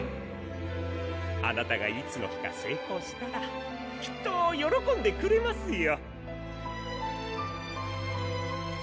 あなたがいつの日かせいこうしたらきっとよろこんでくれますよ。